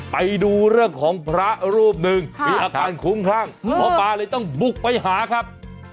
ไปดูเรื่องของพระรูปหนึ่งมีอาการคุ้มข้างหมอปลาเลยต้องบุกไปหาครับ